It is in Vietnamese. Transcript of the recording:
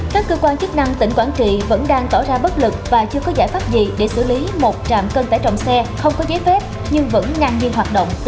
các cơ quan chức năng tỉnh quảng trị vẫn đang tỏ ra bất lực và chưa có giải pháp gì để xử lý một trạm cân tải trọng xe không có giấy phép nhưng vẫn ngang nhiên hoạt động